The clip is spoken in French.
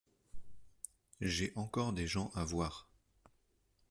J'ai encore des gens à voir.